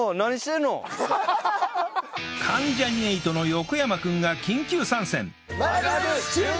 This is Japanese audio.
関ジャニ∞の横山君が緊急参戦！